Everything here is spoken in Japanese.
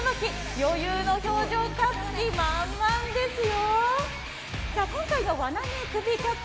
余裕の表情、勝つ気満々ですよ。